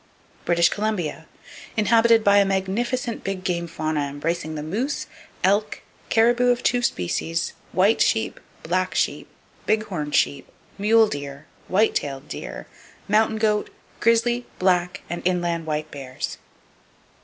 British Columbia , inhabited by a magnificent big game fauna embracing the moose, elk, caribou of two species, white sheep, black sheep, big horn sheep, mule deer, white tailed deer, mountain goat, grizzly, black and inland white bears.